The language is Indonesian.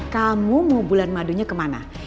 kamu mau bulan madunya kemana